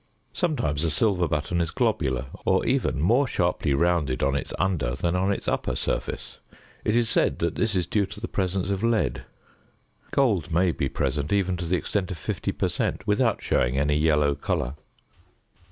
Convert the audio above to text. Sometimes the silver button is globular, or even more sharply rounded on its under than on its upper surface; it is said that this is due to the presence of lead. Gold may be present even to the extent of 50 per cent. without showing any yellow colour.